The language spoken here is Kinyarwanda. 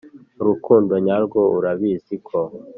urukundo nyarwo urabizi ko